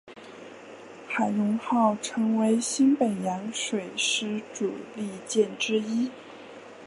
海容号成为新北洋水师主力舰之一。